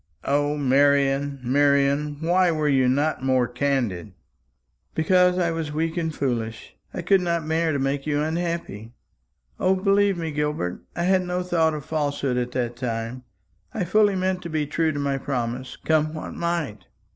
O, Marian, Marian, why were you not more candid?" "Because I was weak and foolish. I could not bear to make you unhappy. O, believe me, Gilbert, I had no thought of falsehood at that time. I fully meant to be true to my promise, come what might."